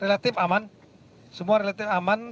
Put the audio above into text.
relatif aman semua relatif aman